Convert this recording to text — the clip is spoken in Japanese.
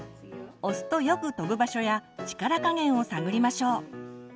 押すとよく飛ぶ場所や力加減を探りましょう。